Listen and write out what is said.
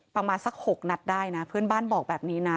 ประมาณสัก๖นัดได้นะเพื่อนบ้านบอกแบบนี้นะ